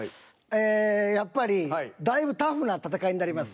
ええやっぱりだいぶタフな戦いになります。